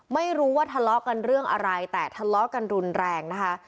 ไม่รู้ว่าทะเลาะกันเรื่องอะไรแต่ทะเลาะกันรุนแรงนะคะ